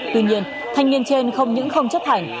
tuy nhiên thanh niên trên không những không chấp hành